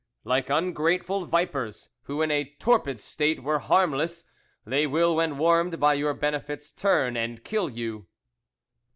"Like ungrateful vipers, who in a torpid state were harmless, they will when warmed by your benefits turn and kill you.